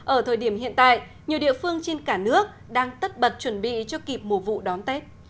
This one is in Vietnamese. ở thời điểm hiện tại nhiều địa phương trên cả nước đang tất bật chuẩn bị cho kịp mùa vụ đón tết